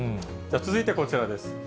続いてはこちらです。